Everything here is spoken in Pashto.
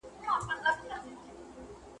په یو لک روپۍ ارزان دی چي د مخ دیدن مي وکړې.